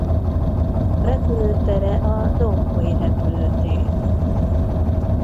Repülőtere a Dong Hoi repülőtér.